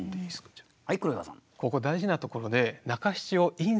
はい黒岩さん。